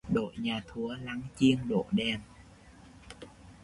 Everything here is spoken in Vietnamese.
Đội nhà thua lăng chiêng đổ đèn